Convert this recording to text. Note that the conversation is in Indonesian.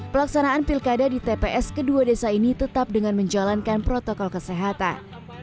pelaksanaan pilkada di tps kedua desa ini tetap dengan menjalankan protokol kesehatan